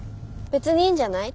別にいいんじゃない。